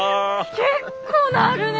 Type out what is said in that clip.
結構鳴るね。